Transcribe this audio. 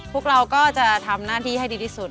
พวกเราก็จะทำหน้าที่ให้ดีที่สุด